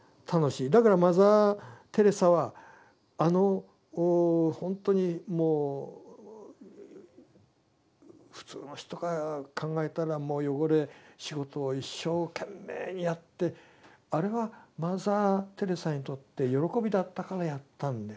だからマザー・テレサはあのほんとにもう普通の人が考えたらもう汚れ仕事を一生懸命にやってあれはマザー・テレサにとって喜びだったからやったんで。